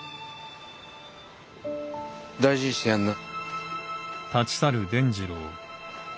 大事にしてやんな。